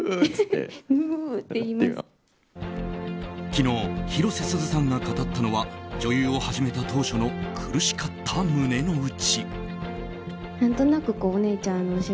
昨日、広瀬すずさんが語ったのは女優を始めた当初の苦しかった胸の内。